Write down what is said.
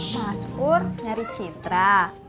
mas ur nyari citra